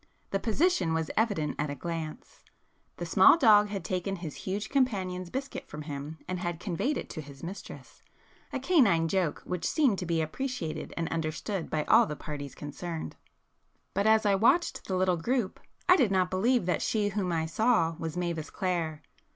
The position was evident at a glance,—the small dog had taken his huge companion's biscuit from him and had conveyed it to his mistress,—a canine joke which seemed to be appreciated and understood by all the parties concerned. But as I watched the little group, I did not believe that she whom I saw was Mavis Clare.